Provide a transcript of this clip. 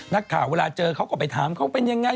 นักข่าวเวลาเจอเขาก็ไปถามเขาเป็นยังไง